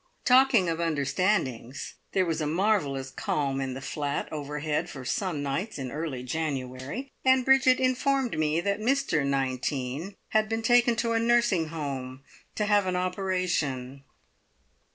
Talking of understandings, there was a marvellous calm in the flat overhead for some nights in early January, and Bridget informed me that Mr Nineteen had been taken to a nursing home to have an operation.